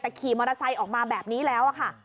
แต่ขี่มอเตอร์ไซค์ออกมาแบบนี้แล้วค่ะ